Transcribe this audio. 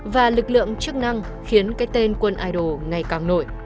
và lực lượng chức năng khiến cái tên quân idol ngày càng nổi